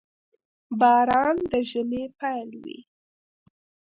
• باران د ژمي پيل وي.